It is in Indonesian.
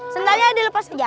sendalnya dilepas iya